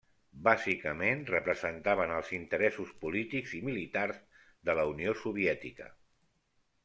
Bàsicament, representaven els interessos polítics i militars de la Unió Soviètica.